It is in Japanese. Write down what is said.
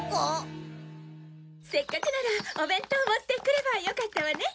せっかくならお弁当持ってくればよかったわね。